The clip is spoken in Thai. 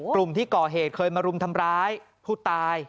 กลุ่มที่ก่อเหตุเคยมารุมทำร้ายผู้ตาย